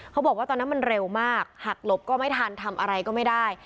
เขาบอกว่าตอนนั้นมันเร็วมากหักหลบก็ไม่ทันทำอะไรก็ไม่ได้